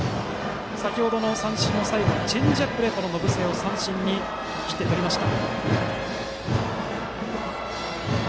先程の三振も最後はチェンジアップでこの延末を三振に切って取りました。